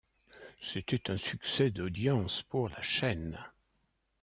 C'était un succès d'audience pour la chaîne.